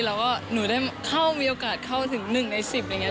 แล้วก็หนูได้เข้ามีโอกาสเข้าถึงหนึ่งในสิบอย่างนี้